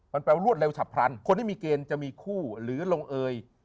มันแปลว่ารวดเร็วฉับพลันคนที่มีเกณฑ์จะมีคู่หรือลงเอย